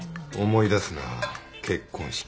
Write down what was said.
思い出すなぁ結婚式。